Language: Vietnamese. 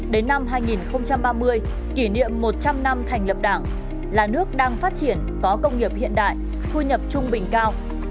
đến năm hai nghìn ba mươi kỷ niệm một trăm linh năm thành lập đảng là nước đang phát triển có công nghiệp hiện đại thu nhập trung bình cao